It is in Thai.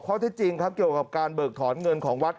ที่จริงครับเกี่ยวกับการเบิกถอนเงินของวัด